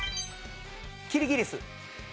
キリギリス。